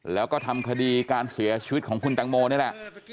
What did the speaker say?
แล้วก็ทำคดีการเสียชีวิตของคุณแตงโมนี่แหละ